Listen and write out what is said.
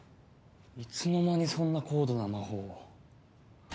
いつの間にそんな高度な魔法を。